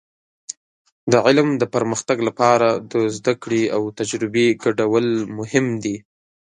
د علم د پرمختګ لپاره د زده کړې او تجربې ګډول مهم دي.